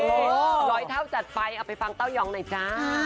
ร้อยเท่าจัดไปเอาไปฟังเต้ายองหน่อยจ้า